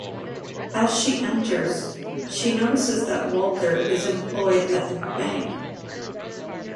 As she enters, she notices that Walter is employed at the bank.